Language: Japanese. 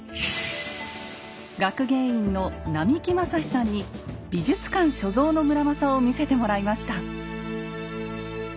学芸員の並木昌史さんに美術館所蔵の村正を見せてもらいました。